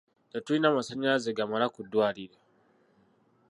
Tetulina masanyalaze gamala ku ddwaliro.